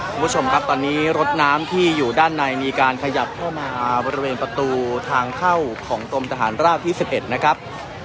คุณผู้ชมครับตอนนี้รถน้ำที่อยู่ด้านในมีการขยับเข้ามาบริเวณประตูทางเข้าของกรมทหารราบที่๑๑นะครับ